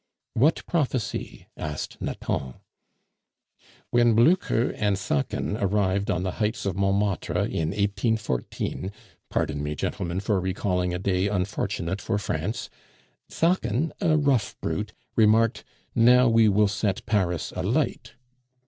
"What prophecy?" asked Nathan. "When Blucher and Sacken arrived on the heights of Montmartre in 1814 (pardon me, gentlemen, for recalling a day unfortunate for France), Sacken (a rough brute), remarked, 'Now we will set Paris alight!